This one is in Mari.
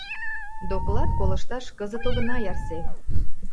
Доклад колышташ кызыт огына ярсе!